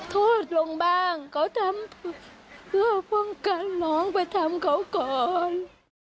โทษลงบ้างเขาทำเพื่อป้องกันน้องไปทำเขาก่อน